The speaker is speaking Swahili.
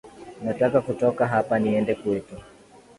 Nataka kutoka hapa niende kwetu